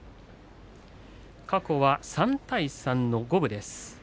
過去は３対３の五分です。